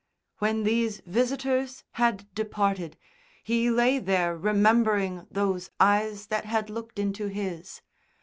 When these visitors had departed, he lay there remembering those eyes that had looked into his.